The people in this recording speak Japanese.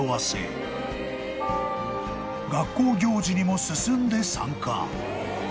［学校行事にも進んで参加］